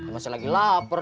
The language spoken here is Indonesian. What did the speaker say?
masih lagi lapar